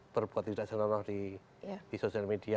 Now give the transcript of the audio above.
berbuat tidak senonoh di sosial media